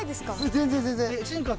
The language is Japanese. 全然全然。